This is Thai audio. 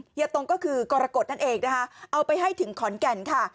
เฮียตงก็คือกรกฎนั่นเองนะคะเอาไปให้ถึงขอนแก่นค่ะ